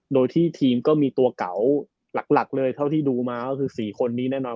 โดยที่ทีมก็มีตัวเก่าหลักเลยเท่าที่ดูมาก็คือ๔คนนี้แน่นอน